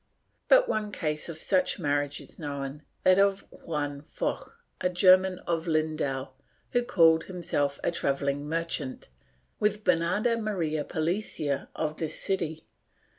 But one case of such marriage is known — that of Juan Foch, a Gennan of Lindau, who called himself a travelling merchant, with Bemarda Maria Pellicer of this city.